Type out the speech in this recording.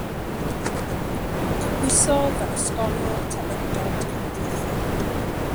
Cymhwysodd fel Ysgolor Teilyngdod Cenedlaethol.